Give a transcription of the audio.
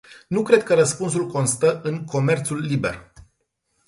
Nu cred că răspunsul constă în comerțul liber.